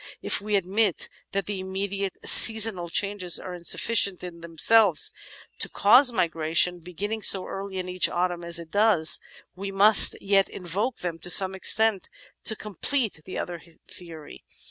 If we admit that the immediate seasonal changes are insuf ficient in themselves to cause migration, beginning so early in each autumn as it does, we must yet invoke them to some extent to complete the other theory.